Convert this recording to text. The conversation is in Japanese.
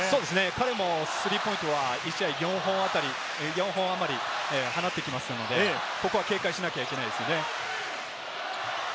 彼もスリーポイントは１試合４本くらい放ってきますので、ここは警戒しなきゃいけないですね。